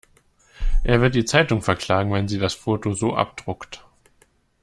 Er wird die Zeitung verklagen, wenn sie das Foto so abdruckt.